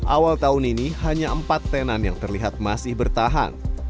awal tahun ini hanya empat tenan yang terlihat masih bertahan